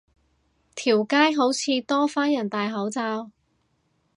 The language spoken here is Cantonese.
條街好似多返人戴口罩